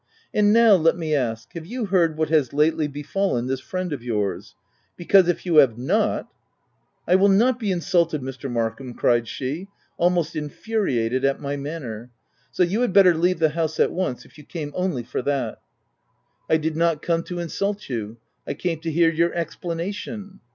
— And now, let me ask — have you heard what has lately befallen this friend of yours ?— because, if you have not — M " I will not be insulted Mr. Markham !" cried she almost infuriated at my manner —" So you had better leave the house at once, if you came only for that." OF WJLDFELL HALL. 2£1 u I did not come to insult you : I came to hear your explanation.''